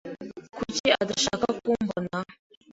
Kuki adashaka kumbona?